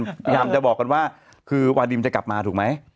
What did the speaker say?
พยายามจะบอกกันว่าคือวาดิมจะกลับมาถูกไหม